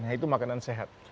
nah itu makanan sehat